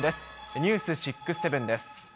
ニュース６ー７です。